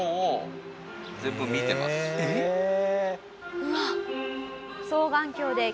うわっ。